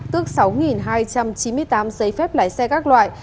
tước sáu hai trăm chín mươi tám giấy phép lái xe các loại